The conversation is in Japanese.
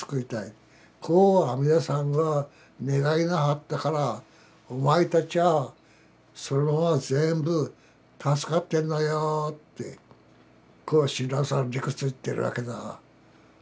こう阿弥陀さんは願いなはったからお前たちはそのまま全部助かってんのよってこう親鸞さんは理屈言ってるわけだ。